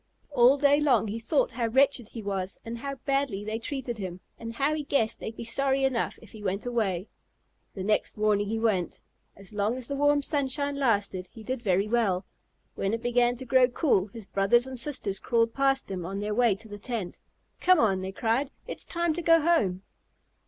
All day long he thought how wretched he was, and how badly they treated him, and how he guessed they'd be sorry enough if he went away. The next morning he went. As long as the warm sunshine lasted he did very well. When it began to grow cool, his brothers and sisters crawled past him on their way to the tent. "Come on!" they cried. "It's time to go home."